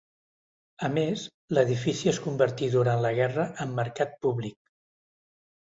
A més, l'edifici es convertí durant la guerra en mercat públic.